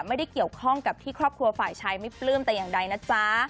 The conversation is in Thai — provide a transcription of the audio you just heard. ไม่ได้เกี่ยวข้องกับที่ครอบครัวฝ่ายชายไม่ปลื้มแต่อย่างใดนะจ๊ะ